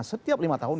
setiap lima tahun